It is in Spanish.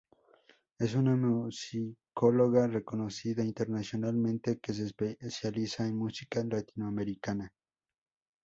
Es una musicóloga reconocida internacionalmente que se especializa en música latinoamericana.